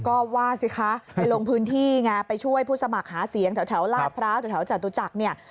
ก็ว่าสิคะไปลงพื้นที่ไงไปช่วยผู้สมัครหาเสียงแถวลาดพร้าวแถวจตุจักรเนี่ย